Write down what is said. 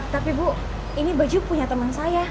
tapi bu ini baju punya teman saya